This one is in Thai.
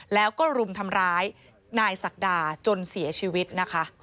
แล้วก็รุมทำร้ายนายศักดาจนเสียชีวิตนะคะ